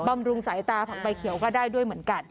บำรุงสายตาผักใบเขียวก็ได้ด้วยเหมือนกัน